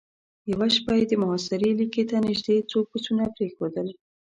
يوه شپه يې د محاصرې ليکې ته نېزدې څو پسونه پرېښودل.